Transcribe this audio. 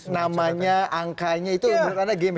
namanya angkanya itu menurut anda gimana